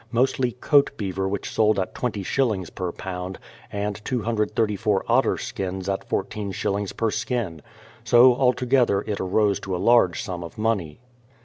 mostly coat beaver which sold at twenty shillings per lb. ; and 234 otter skins at fourteen shillings per skin. So altogether it arose to a large sum of money